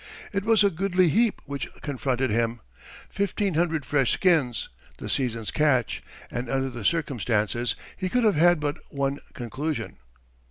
It was a goodly heap which confronted him—fifteen hundred fresh skins, the season's catch; and under the circumstances he could have had but one conclusion.